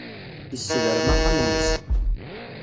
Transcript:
Yessedrem axxam-nnes.